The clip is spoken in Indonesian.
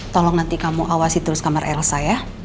tolong nanti kamu awasi terus kamar elsa ya